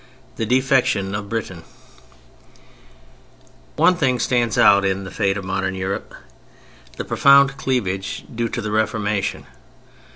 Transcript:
IX THE DEFECTION OF BRITAIN One thing stands out in the fate of modern Europe: the profound cleavage due to the Reformation.